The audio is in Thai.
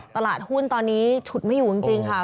ตลาดหุ้นตอนนี้ฉุดไม่อยู่จริงค่ะ